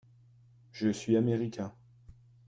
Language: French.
Je suis (américain).